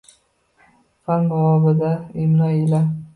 Fan bobida imlo ila